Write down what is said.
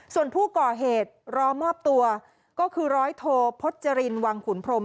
ส่วนผู้ก่อเหตุรอมอบตัวก็คือร้อยโทพจรินวังขุนพรม